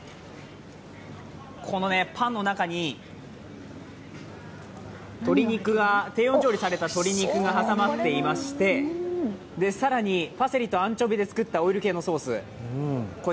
このパンの中に低温調理した鶏肉が挟まっていまして更にパセリとアンチョビで作ったオイル系のソース。